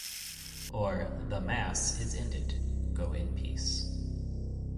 or The Mass is ended, go in peace.